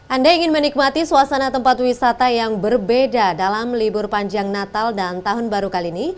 anda ingin menikmati suasana tempat wisata yang berbeda dalam libur panjang natal dan tahun baru kali ini